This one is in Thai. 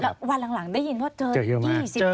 แล้ววันหลังได้ยินว่าเจอ๒๐๓๐ปล่อง